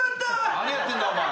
何やってんだお前。